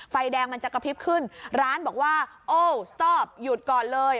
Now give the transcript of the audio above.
ไฟแดงมันจะกระพริบขึ้นร้านบอกว่าโอ้สตอฟหยุดก่อนเลย